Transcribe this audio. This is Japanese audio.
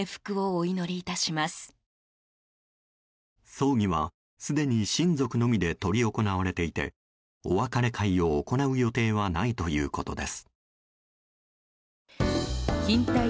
葬儀はすでに親族のみで執り行われていてお別れ会を行う予定はないということです。